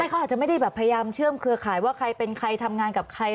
เขาอาจจะไม่ได้แบบพยายามเชื่อมเครือข่ายว่าใครเป็นใครทำงานกับใคร